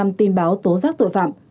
xử lý sáu mươi tình báo tối giá tội phạm